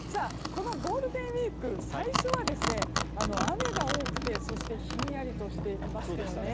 ゴールデンウィーク最初は雨が多くてそしてひんやりとしていましたよね。